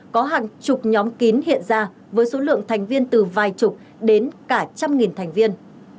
có hàng chục nhóm kín hiện ra với số lượng thành viên từ vài chục đến cả trăm nghìn thành viên